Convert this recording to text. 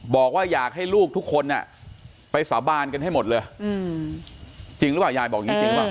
บอกว่าอยากให้ลูกทุกคนน่ะไปสาบานกันให้หมดเลยจริงแล้วยายบอก